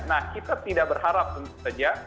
nah kita tidak berharap tentu saja